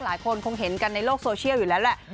หลายคนคงเห็นกันในโลกโซเชียลอยู่แล้วแหละ